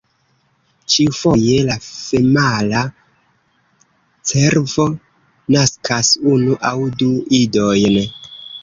Ĉiufoje la femala cervo naskas unu aŭ du idojn.